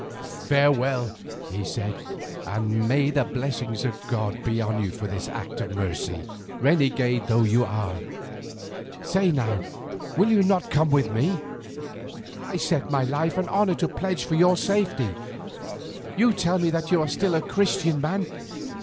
"Farewell," he said, "and may the blessing of God be on you for this act of mercy, renegade though you are. Say, now, will you not come with me? I set my life and honour in pledge for your safety. You tell me that you are still a Christian man.